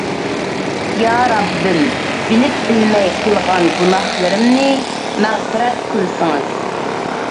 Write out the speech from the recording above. يا رەببىم، بىلىپ-بىلمەي قىلغان گۇناھلىرىمنى مەغپىرەت قىلسىڭىز.